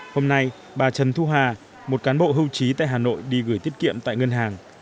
hôm nay bà trần thu hà một cán bộ hưu trí tại hà nội đi gửi tiết kiệm tại ngân hàng